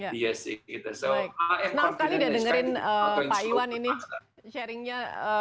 nah sekali udah dengerin pak iwan ini sharingnya